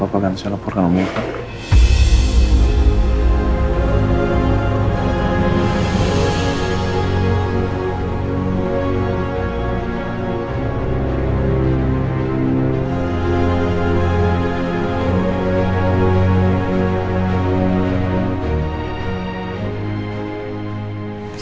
aku besok mau meleporkan om irfan ke polisi